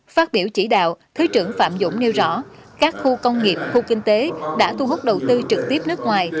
phát biểu chỉ đạo thứ trưởng phạm dũng nêu rõ các khu công nghiệp khu kinh tế đã thu hút đầu tư trực tiếp nước ngoài